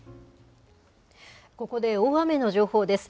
ここで大雨の情報です。